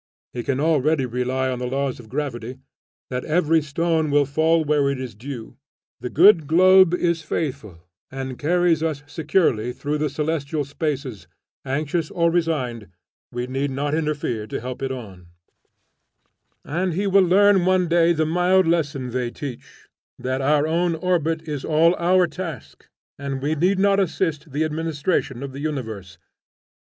He can already rely on the laws of gravity, that every stone will fall where it is due; the good globe is faithful, and carries us securely through the celestial spaces, anxious or resigned, we need not interfere to help it on: and he will learn one day the mild lesson they teach, that our own orbit is all our task, and we need not assist the administration of the universe.